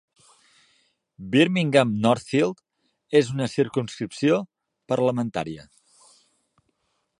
Birmingham Northfield és una circumscripció parlamentària.